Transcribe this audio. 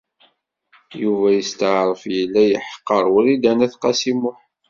Yuba yesṭeɛref yella yeḥqer Wrida n At Qasi Muḥ.